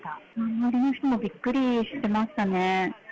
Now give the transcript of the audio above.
周りの人もびっくりしてましたね。